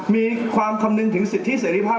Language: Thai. มีความคำนึงถึงสิทธิเสร็จภาพ